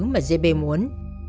mà giê bê muốn